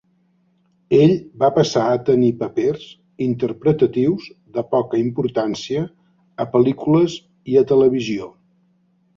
Ell va passar a tenir papers interpretatius de poca importància a pel·lícules i a televisió.